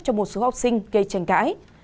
cho một số học sinh gây tranh cãi